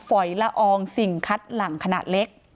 ฝอยละอองสิ่งคัดหลังขนาดเล็ก